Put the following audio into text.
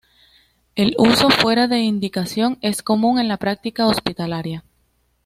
El uso fuera de indicación es común en la práctica hospitalaria.